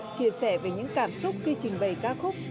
chia sẻ về những cảm xúc khi trình bày ca khúc